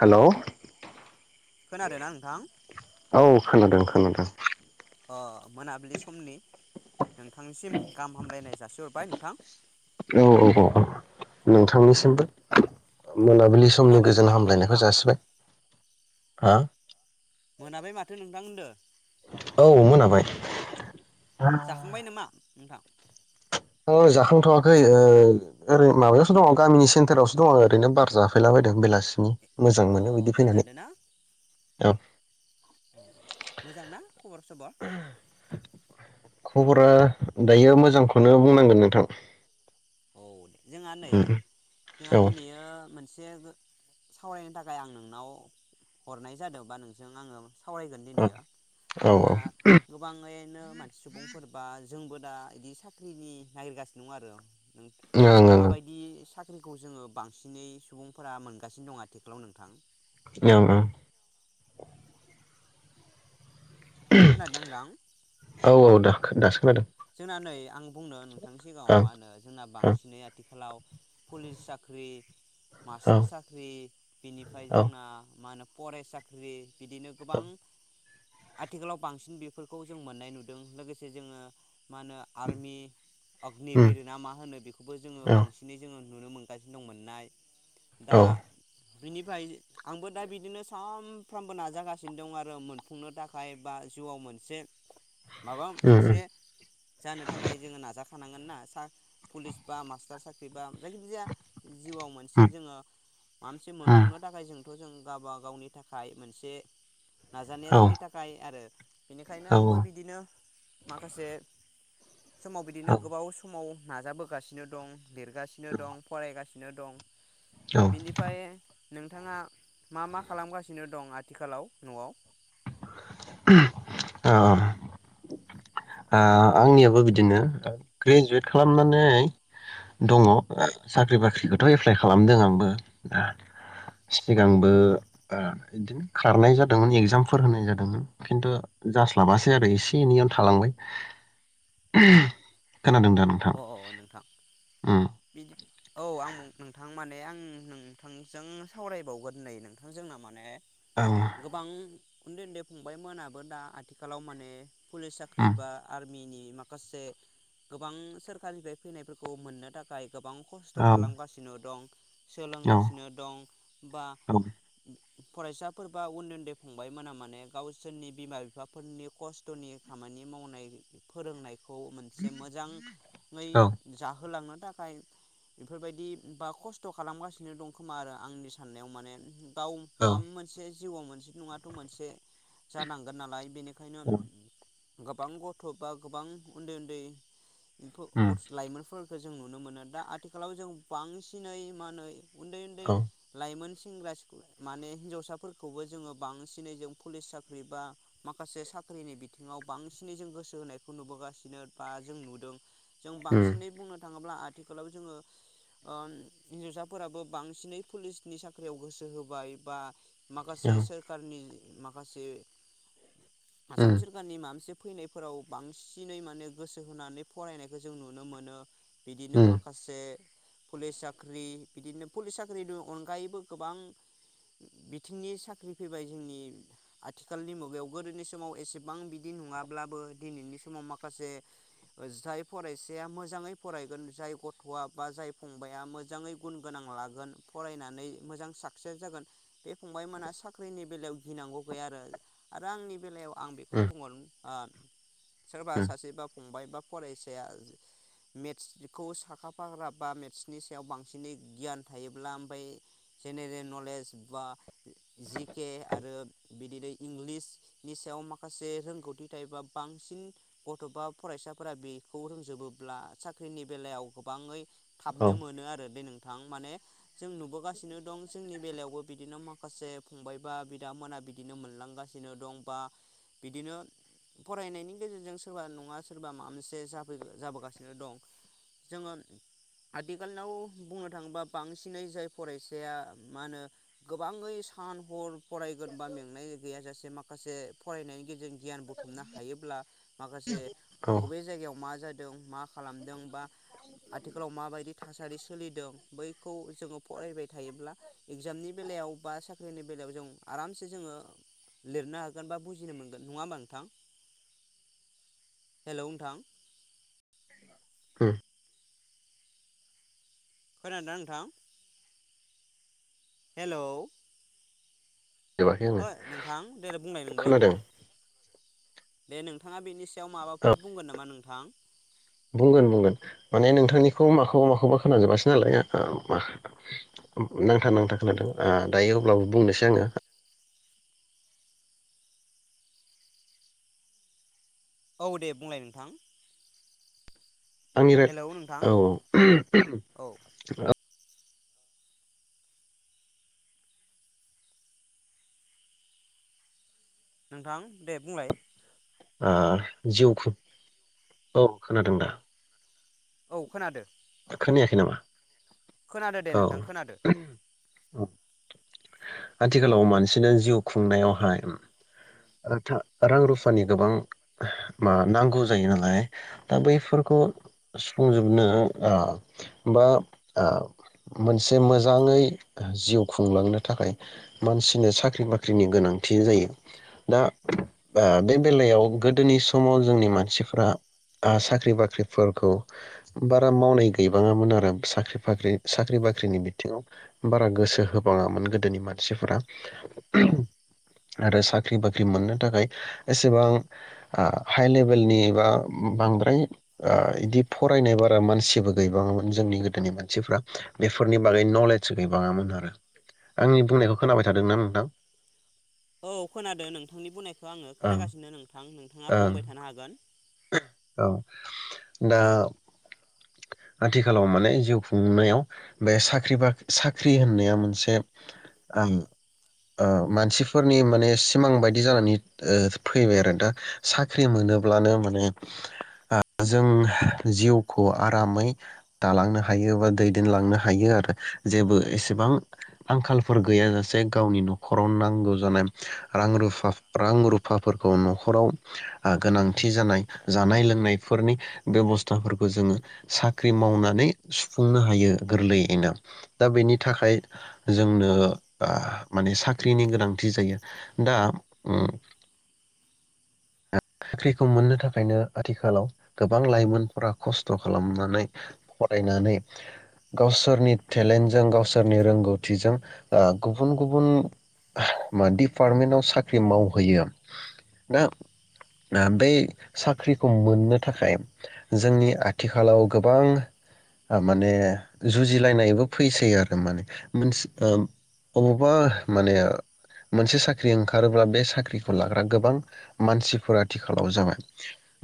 Hello [inaudible] खोनादोना नोंथां? औ खोनादों नोंथां। अ मोनाबिलि समनि नोंथांनिसिम गाहाम हामलायनाय जासि हरबाय। थां। औ औ औ औ नोंथांनिसिमबो औ मोनाबिलि समनि मोनाबायबो गोजोन माथो हामलायनायखौ नोंथां जासिबाय हा थांदो औ मोनाबाय जाखांबाय नामा? हा ओ जाखांथवाखै ओ ओरै माबायावसो दङ गामिनि सेन्टारावसो दङ ओरैनो बार जाफैलाबायदों बेलासिनि मोजां अ मोनो बिदि बार फैनानै जादोना औ अ मोजां ना खबर सबर खबरा दायो मोजांखौनो बुंनांगोन नोंथां औ दे जोङा नै जोङा औ दिनैयो मोनसे जेबो सावरायनो थाखाय आं नोंनाव हरनाय जादों बा नोंजों आङो सावरायगोन दिनैयो औ ओं जोंहा गोबाङैनो मानसि सुबुंफोर बा जोंबो दा बिदि साख्रिनि नागिरगासिनो दं आरो माबायदि साख खौ जोङो बांसिनै सुबुंफोरा मोनगासिनो दङ आथिखालाव नोंथां ओं ओं खोनादों नोंथां औ औ दाख दास जोंना नै आं बुंनो नोंथांनि सिगाङाव ओं मा होनो जोंना ओं बांसिनै आथिखालाव पुलिस साख्रि औ मास्टार साख्रि बिनिफ्राय औ जोंना मा होनो फरेस साख्रि बिदिनो गोबां आथिखालाव बांसिन बेफोरखौ जों मोननाय नुदों लोगोसे जोङो मा होनो आर्मि अग्निभिर ना मा होनो बेखौबो जोङो बांसिनै जोङो नुनो मोनगासिनो दं मोननाय दा बिनिफाय आंबो दा बिदिनो सानफ्रामबो नाजागासिनो दं आरो मोनफुंनो थाखाय बा जिउआव मोनसे माबा मोनसे जानो थाखाय जोङो नाजाखानांगोन ना सा पुलिस बा मास्टार साख्रि बा जायखिजाया जिउआव मोनसे जोङो माबा मोनसे औ मोनफुंनो थाखाय जों थ जों गाबा गावनि थाखाय मोनसे नाजानाया औ जोंनि थाखाय आरो बेनिखायनो औ आंबो बिदिनो माखासे समाव औ बिदिनो गोबाव समाव नाजाबोगासिनो दं। लिरगासिनो दं फरायगासि नो दं औ बिनिफाय नोंथाङा मा मा खालामगासिनो दं आथिखालाव नआव? ओ ओ आंनियाबो बिदिनो ग्रेजुयेट खालामनानै दङ ओ साख्रि बाख्रिखौथ एप्लाइ खालामदों आंबो सिगांबो ओ इदिनो खारनाय जादोंमोन एगजामफोर होनाय जादोंमोन खिन्थु जास्लाबासै आरो एसे एनैयावनो थालांबाय। [inaudible] खोनादों दा नोंथां अ अ नोंथां उम बिदि औ आं उम नोंथां माने आं नोंथांजों सावरायबावगोन नै नोंथां जोंना माने औ गोबां उन्दै उन्दै फंबायमोनाबो दा आथिखालाव माने पुलिस साख्रि उम बा आर्मि नि माखासे गोबां सोरखारनिफ्राय फैनायफोरखौ मोननो थाखाय गोबां खस्थ औ खालामगासिनो दं। औ सोलोंगासिनो दं बा फरायसाफोरबा उन्दै उन्दै फंबाय मोना माने गावसोरनि बिमा बिफाफोरनि खस्थनि खामानि मावनाय फोरोंनाय खौ मोनसे मोजां ङै औ जाहोलांनो थाखाय बेफोरबायदि बा खस्थ खालामगासिनो दं खोमा आरो आंनि साननायाव माने गाव औ माम मोनसे जिउआव मोनसे नङाथ मोनसे जानांगोन नालाय बेनि खायनो औ गोबां गथ बा गोबां उन्दै उन्दै ओमफो उम गथस लाइमोनफोर खो जों नुनो मोनो दा आथिखालाव जों बांसिनै मा होनो उन्दै उन्दै औ लाइमोन सेंग्रा सिखो माने हिनजावसाफोरखौबो जोङो बांसिनै जों पुलिस साख्रि बा माखासे साख्रिनि बिथिङाव बांसिनै जों गोसो होनायखौ नुबोगासिनो बा जों नुदों। जों उम बांसिनै बुंनो थाङोब्ला आ थिखालाव जोङो हिनजावसाफोराबो बांसिनै पुलिसनि साख्रियाव गोसो होबाय बा औ माखासे सोरखारनि माखासे आसाम उम सोरखारनि मामसे फैनायफोराव बांसिनै माने गोसो होनानै फरायनायखौ जों नुनो मोनो। उम बिदिनो माखासे पुलिस साख्रि बिदिनो पुलिस साख्रिनि अनगायैबो गोबां बिथिंनि साख्रि फैबाय जोंनि आथिखालनि मुगायावबो गोदोनि समाव एसेबां बिदि नङाब्लाबो दिनैनि समाव माखासे जाय फरायसाया मोजाङै फरायगोन, जाय गथ'आ बा जाय फंबाया मोजाङै गुन गोनां लागोन फरायनानै मोजां साक्सेस जागोन बे फंबायमोना साख्रिनि बेलायाव गिनांगौ गैया आरो आरो आंनि बेलायाव आं बेखौनो बुंअरोन आ सोरबा उम सासे बा फंबाय बा फरायसाया मेटसखौ साखा फारा बा मेटसनि सायाव बांसिनै गियान थायोब्ला ओमफाय जेनेरेल नलेज बा जि केे आरो बिदिनो इंलिसनि सायाव माखासे रोंगौथि थायोबा बांसिन गथ' फरायसा फ्रा बेखौ रोंजोबोब्ला साख्रिनि बेलायाव गोबाङै औ थाबनो मोनो आरो बे नों थां माने। जों नुबोगासिनो दं जोंनि बेलायावबो बिदिनो माखासे फंबायबा बिदामोना बिदिनो मोनलांगासिनो दं बा बिदिनो फरायनायनि गेजेरजों सोरबा नङा सोरब सोरबा माबा मोनसे जाबाय-जाबोगासिनो दं जोङो आथिखालाव बुंनो थाङोबा बांसिनै जाय फरायसाया मा होनो गोबाङै सान हर फरायगोन बा मेंनाय गैयाजासे माखासे फरायनायनि गेजेरजों गियान बुथुमनो हायोब्ला माखासे औ अबे जायगायाव। मा जादों मा खालामदों बा आथिखालाव माबायदि थासारि सोलिदों बैखौ जोङो फरायबाय थायोब्ला एगजामनि बेलायाव बा साख्रि नि बेलायाव जों आरामसे जोङो लिरनो हागोन बा बुजिनो मोनगोन नङा होमबा नोंथां। हेलौ नोंथां। [inaudible] खोनादोंना नोंथां हेलौ जोबाखै आङो ओइ नोंथां देलाय बुंलाय नोंबो खोनादों। दे नोंथाङा बेनि सायाव माबाफोर बुंगोन नामा नोंथां। बुंगोन बुंगोन माने नोंथांनिखौ माखौबा माखौबा खोनाजोबासै नालाय नांथा नांथा खोनादों ओ दायो अब्लाबो बुंनोसै आङो। औ दे बुंलाय नोंथां। आंनि राय हेलौ नोंथां औ [unintelligible] नोंथां दे बुंलाय आरो जिउखौ औ खोनादों दा? औ खोनादो। खोनायाखै नामा? खोनादो दे औ नोंथां खोनादो। आथिखालाव मानसिनो जिउ खुंनायावहाय रां रुफानि गोबां नांगौ जायो नालाय दा बैफोरखौ। सुफुंजोबनो बा मोनसे मोजाङै जिउ खुंलांनो थाखाय मानसिनो साख्रि बाख्रिनि गोनांथि जायो दा बे बेलायाव गोदोनि समाव जोंनि मानसिफ्रा साख्रि बाख्रिफोरखौ बारा मावनाय गैबाङामोन आरो साख्रि बाख्रि साख्रि बाख्रिनि बिथिङाव बारा गोसो होबाङामोन गोदोनि मानसिफोरा आरो साख्रि बाख्रि मोननो थाखाय एसेबां हाइ लेबेलनि एबा बांद्राय इदि फरायनाय बारा मानसिबो गैबाङामोन जोंनि गोदोनि मानसिफ्रा बेफोरनि बागै नलेज गैबाङामोन आरो, आंनि बुंनायखौ खोनाबाय थादोंना नोंथां? औ खोनादों नोंथांनि बुंनायखौ आङो ओं खोनागासिनो नोंथां नोंथाङा ओं बुंबाय थानो हागोन। औ दा आथिखालाव माने जिउ खुंनायाव बे साख्रि बाख्रि साख्रि होननाया मोनसेल ओम मानसिफोरनि माने सिमां बायदि जानानै फैबाय आरो दा साख्रि मोनोब्लानो माने जों जिउखौ आरामै दालांनो हायो बा दैदेनलांनो हायो आरो जेबो एसेबां आंखालफोर गैयाजासे गावनि नखराव नांगौ जानाय रां रुफा रां रुफाफोरखौ नखराव गोनांथि जानाय जानाय लोंनायफोरनि बेबस था फोरखौ जोङो साख्रि मावनानै सुफुंनो हायो गोरलैयैनो दा बेनि थाखाय जोंनो माने साख्रिनि गोनांथि जायो, दा साख्रिखौ मोननो थाखायनो आथिखालाव गोबां लाइमोन खस्थ खालामनानै फरायनानै गावसोरनि टेलेन्टजों गावसोरनि रोंगौथिजों गुबुन गुबुन डिपार्टमेन्टाव साख्रि मावहैयो दा बे साख्रिखौ मोननो थाखाय जोंनि आथिखालाव गोबां माने जुजिलायनायबो फैसैय आरो माने मोनसे अबावबा माने मोनसे साख्रि ओंखारोब्ला बे साख्रिखौ लाग्रा गोबां मानसिफोरा आथिखालाव जाबाय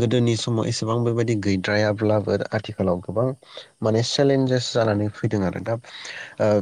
गोदोनि समाव एसेबां बेबायदि गो गैद्रायाब्लाबो आथिखालाव गोबां माने चेलेन्जेस जानानै फैदों आरो दा ओ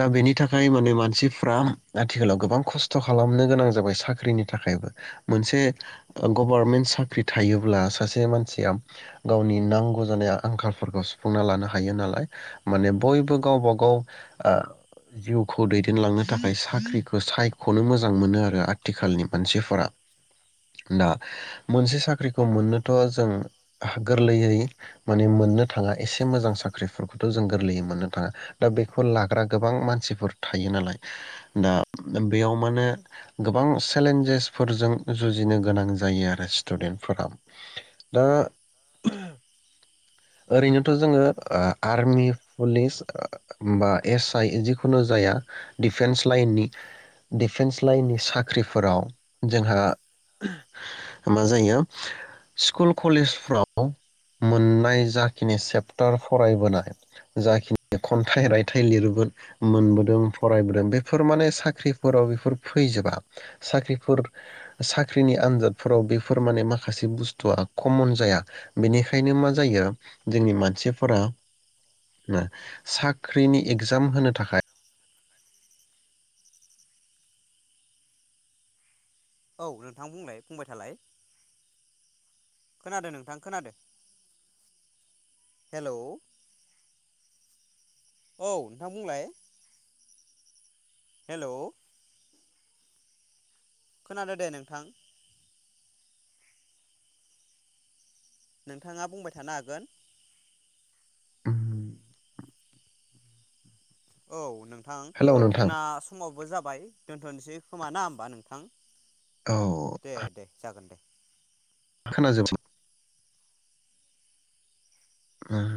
दा बेनि थाखाय माने मानसिफ्रा आथिखालाव गोबां खस्थ खालामनो गोनां जाबाय साख्रिनि थाखायबो मोनसे गभारनमेन्ट साख्रि थायोब्ला सासे मानसिया गावनि नांगौ जानाय आंखालफोरखौ सुफुंना लानो हायो नालाय माने बयबो गावबा गाव जिउखौ दैदेनलांनो थाखाय साख्रिखौ सायखनो मोजां मोनो आरो आथिखालनि मानसिफोरा दा मोनसे साख्रिखौ मोननो थ जों गोरलैयै माने मोननो थाङा एसे मोजां साख्रिफोरखौथ जों गोरलैयै मोननो थाङा दा बेखौ लाग्रा गोबां मानसिफोर थायो नालाय दा बेयाव माने गोबां चेलेन्जेसफोरजों जुजिनो गोनां जायो आरो स्टुडेन्टफोरा। दा ओरैनोथ जोङो आर्मि पुलिस बा एस आइ जिखुनु जाया दिफेन्स लाइननि डिफेन्स लाइननि साख्रिफोराव जोंहा मा जायो स्कुल कलेजफ्राव मोननाय जाखिनि सेपटार फरायबोनाय जाखिनि खन्थाइ रायथाइ लिरबोदों मोनबोदों फरायबोदों बेफोर माने साख्रिफोराव बेफोर फैजोबा साख्रिफोर साख्रिनि आन्जादफोराव बेफोर माने माखासे बुस थुआ कमन जाया बेनिखायनो मा जायो जोंनि मानसिफोरा साख्रिनि एगजाम होनो थाखाय औ नोंथां बुंलाय बुंबाय थालाय खोनादों नोंथां खोनादों हेलौ औ नोंथां बुंलाय हेलौ खोनादों दे नोंथां। नोंथाङा बुंबाय थानो हागोन। औ नों थां हेलौ नोंथां जोंना समावबो जाबाय बाय दोन्थनसै खोमा ना होमबा नोंथां? औ दे दे जागोन दे। खोनाजोब [unintelligible] उम।